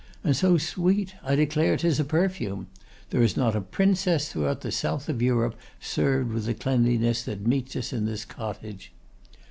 And so sweet; I declare 'tis a perfume. There is not a princess throughout the South of Europe served with the cleanliness that meets us in this cottage.